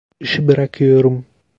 İşi bırakıyorum.